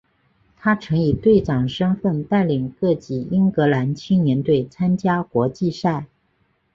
他曾以队长身份带领各级英格兰青年队参加国际赛。